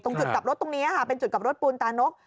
จุดกลับรถตรงนี้ค่ะเป็นจุดกลับรถปูนตานก